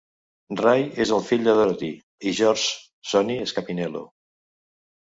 Ray és el fill de Dorothy i George "Sonny" Scapinello.